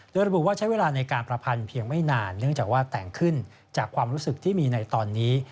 โดยระบุว่าใช้เวลาในการประพันธ์เพียงไม่นานเนื่องจากว่าแต่งขึ้นจากความรู้สึกที่มีในตอนนี้